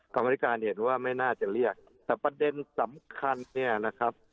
กรรมธิการเห็นว่าไม่น่าจะเรียกแต่ประเด็นสำคัญเนี่ยนะครับ